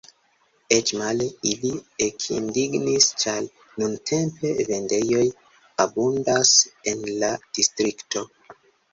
Eĉ male: ili ekindignis, ĉar nuntempe vendejoj abundas en la distrikto.